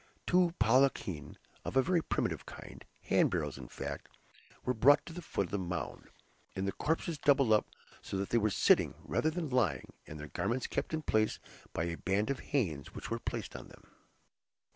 Two palanquins of a very primitive kind, hand barrows, in fact, were brought to the foot of the mound, and the corpses doubled up so that they were sitting rather than lying, and their garments kept in place by a band of hanes, were placed on them.